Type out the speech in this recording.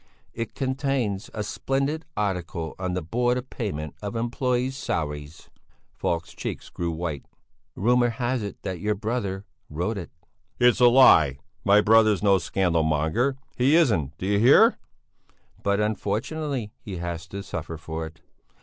"It contains a splendid article on the Board of Payment of Employés' Salaries." Falk's cheeks grew white. "Rumour has it that your brother wrote it." "It's a lie! My brother's no scandal monger! He isn't! D'you hear?" "But unfortunately he had to suffer for it.